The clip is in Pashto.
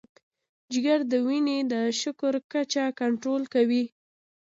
جگر د وینې د شکر کچه کنټرول کوي.